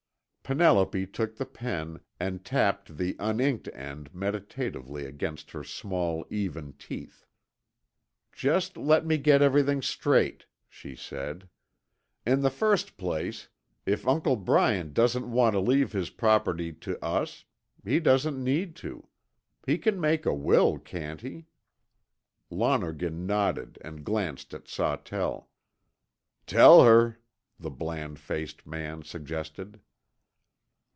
Penelope took the pen and tapped the un inked end meditatively against her small, even teeth. "Just let me get everything straight," she said. "In the first place, if Uncle Bryant doesn't want to leave his property to us, he doesn't need to. He can make a will, can't he?" Lonergan nodded and glanced at Sawtell. "Tell her," the bland faced man suggested.